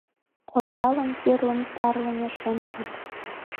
Осалын кӱрлын тарлыме шем кид.